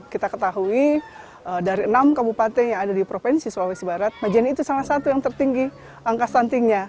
kita ketahui dari enam kabupaten yang ada di provinsi sulawesi barat majene itu salah satu yang tertinggi angka stuntingnya